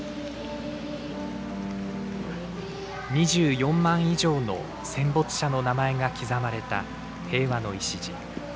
２４万以上の戦没者の名前が刻まれた「平和の礎」。